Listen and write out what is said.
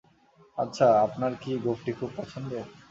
আচ্ছা, আপনার কি গোঁফটি খুব পছন্দের?